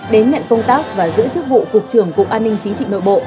đến nhận công tác và giữ chức vụ cục trưởng cục an ninh chính trị nội bộ